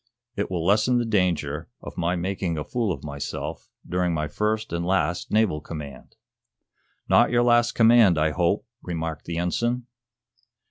"It will lessen the danger of my making a fool of myself during my first and last naval command." "Not your last command, I hope," remarked the ensign.